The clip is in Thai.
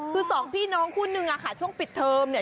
คือสองพี่น้องคู่นึงอะค่ะช่วงปิดเทอมเนี่ย